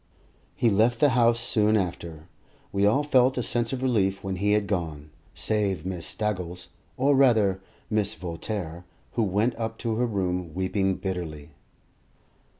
He left the house soon after, and we all felt a sense of relief when he had gone, save Miss Staggles, or rather Mrs. Voltaire, who went up to her room weeping bitterly.